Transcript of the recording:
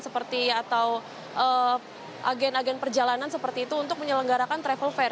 seperti atau agen agen perjalanan seperti itu untuk menyelenggarakan travel fair